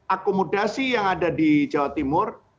akomodasi yang ada di jawa timur